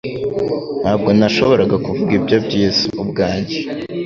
Ntabwo nashoboraga kuvuga ibyo byiza ubwanjye